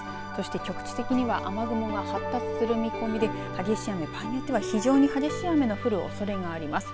局地的には雨雲が発達する見込みで激しい雨場合によっては非常に激しい雨の降るおそれがあります。